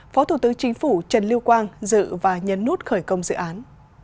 phó thủ tướng chính phủ trần lưu quang dự và nhấn nút khởi công dự án